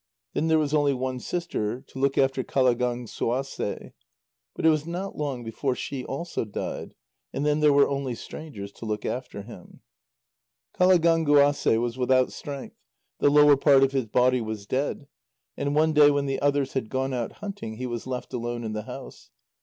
Then there was only one sister to look after Qalagánguasê, but it was not long before she also died, and then there were only strangers to look after him. Qalagánguasê was without strength, the lower part of his body was dead, and one day when the others had gone out hunting, he was left alone in the house.